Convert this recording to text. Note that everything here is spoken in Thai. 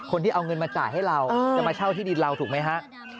คนที่เอาเงินมาจ่ายให้เราจะมาเช่าที่ดินเราถูกไหมฮะ